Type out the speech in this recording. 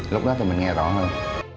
lúc đó thì mình nghe rõ hơn